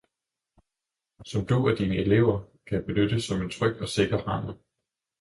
som du og dine elever kan benytte som en tryg og sikker ramme